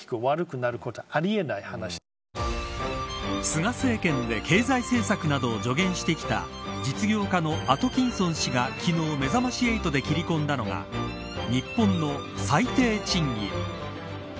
菅政権で経済政策などを助言してきた実業家のアトキンソン氏が昨日めざまし８で切り込んだのが日本の最低賃金。